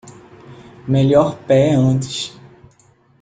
Melhor pé antes